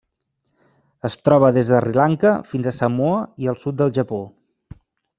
Es troba des de Sri Lanka fins a Samoa i el sud del Japó.